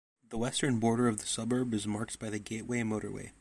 The western border of the suburb is marked by the Gateway Motorway.